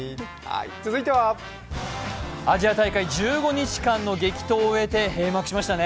続いてはアジア大会１５日間の激闘を終えて閉幕しましたね。